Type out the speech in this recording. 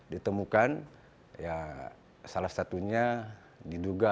ditemukan salah satunya diduga